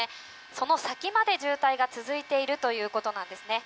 その先まで渋滞が続いているということなんですね。